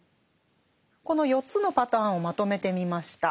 この４つのパターンをまとめてみました。